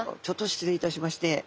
ちょっと失礼いたしまして。